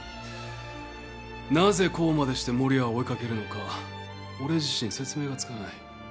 なぜこうまでして守谷を追い掛けるのか俺自身説明がつかない。